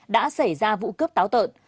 đã xảy ra vụ cướp táo tợn